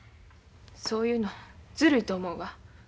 そういうのずるいと思うわ。